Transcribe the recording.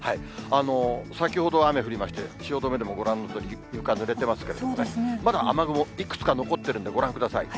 先ほど雨降りまして、汐留でもご覧のとおり、床、ぬれてますけどね、まだ雨雲、いくつか残ってるんで、ご覧ください。